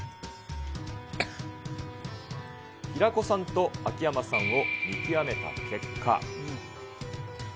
平子さんと秋山さんを見極めた結果。